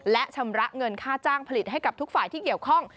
และชำระเงินค่าจ้างผลิตให้กับทุกฝ่ายที่เกี่ยวข้อง